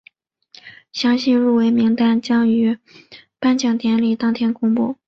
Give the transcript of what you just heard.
详细入围名单将于颁奖典礼当天公布。